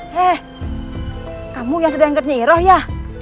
hei kamu yang sudah ikut nyeroh ya